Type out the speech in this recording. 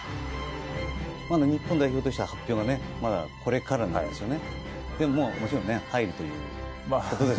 まだ日本代表としては発表はまだこれからになるんですよね。